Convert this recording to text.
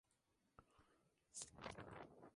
Con frecuencia con bandas horizontales.